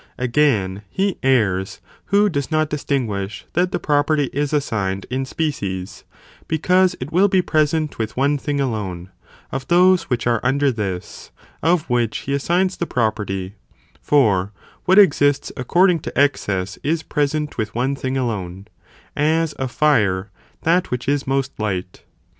(Again he errs), who does not distinguish (that the property is assigned) in species, because it will be present with one thing alone, of those which are under this, of which he assigns the property, for what ex ists according to excess is present with one thing alone; as of fire, that which is most light.